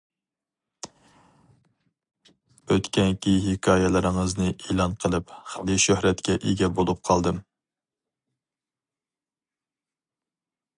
ئۆتكەنكى ھېكايىلىرىڭىزنى ئېلان قىلىپ، خېلى شۆھرەتكە ئىگە بولۇپ قالدىم.